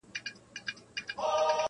الوداع درڅخه ولاړم ستنېدل مي بیرته نسته -